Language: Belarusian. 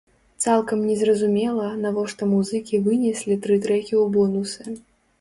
Цалкам незразумела, навошта музыкі вынеслі тры трэкі ў бонусы.